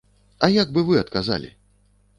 А як бы вы адказалі?